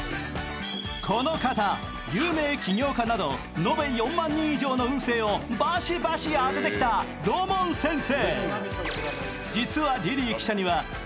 この方、有名起業家など延べ４万人の運勢をバシバシ当ててきたロモン先生。